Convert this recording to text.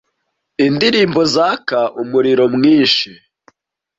indirimbo zaka umuriro mwinshi